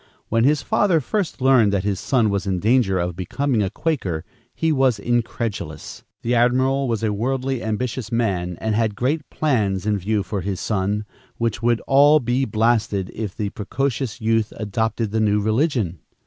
When his father first learned that his son was in danger of becoming a Quaker, he was incredulous. The admiral was a worldly, ambitious man and had great plans in view for his son, which would all be blasted if the precocious youth adopted the new religion.